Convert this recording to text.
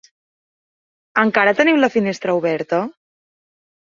Encara teniu la finestra oberta?